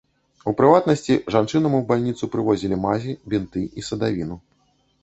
У прыватнасці, жанчынам у бальніцу прывозілі мазі, бінты і садавіну.